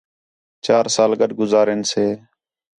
چار سال گڈ گزارین سے